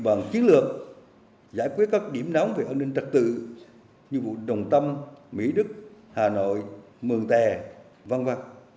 bằng chiến lược giải quyết các điểm nóng về an ninh trật tự như vụ đồng tâm mỹ đức hà nội mường tè v v